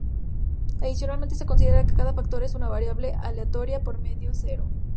Adicionalmente, se considera que cada factor es una variable aleatoria con media cero.